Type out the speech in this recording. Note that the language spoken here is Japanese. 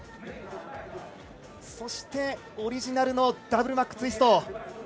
そしてオリジナルのダブルマックツイスト。